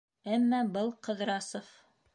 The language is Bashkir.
Әммә был, Ҡыҙрасов...